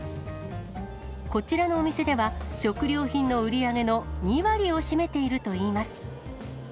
こちらのお店では、食料品の売り上げの２割を占めているといいます。